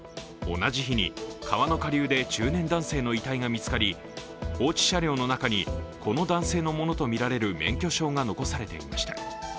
同じ日に、川の下流で中年男性の遺体が見つかり、放置車両の中にこの男性のものとみられる免許証が残されていました。